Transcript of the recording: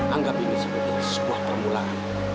anggap ini sebagai sebuah permulaan